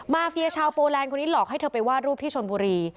เฟียชาวโปแลนด์คนนี้หลอกให้เธอไปวาดรูปที่ชนบุรี